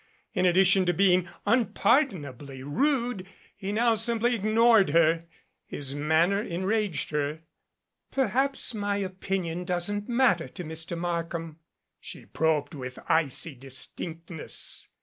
In addition to being unpardonably rude, he now simply ignored her. His manner enraged her. "Perhaps my opinion doesn't matter to Mr. Mark ham," she probed with icy distinctness.